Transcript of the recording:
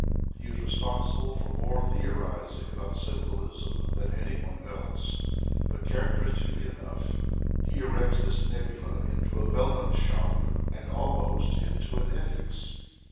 He is respon sible for more theorizing about symbolism than any one else, but characteristically enough, he erects this nebula into a Weltanschauung and almost into an ethics.